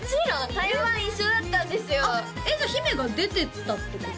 対バン一緒だったんですよあっじゃあ姫が出てたってこと？